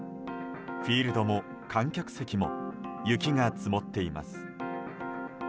フィールドも観客席も雪が積もっています。